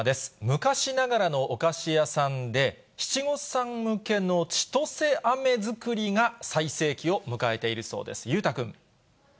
昔ながらのお菓子屋さんで、七五三向けのちとせあめ作りが最盛期を迎えているそうです。